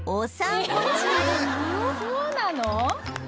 そうなの？